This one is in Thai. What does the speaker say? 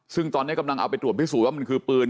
ซึ่งตอนนี้กำลังเอาไปตรวจพิสูจนว่ามันคือปืน